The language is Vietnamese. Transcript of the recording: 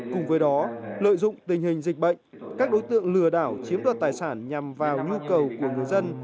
cùng với đó lợi dụng tình hình dịch bệnh các đối tượng lừa đảo chiếm đoạt tài sản nhằm vào nhu cầu của người dân